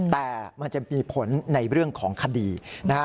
แต่มันจะมีผลในเรื่องของคดีนะฮะ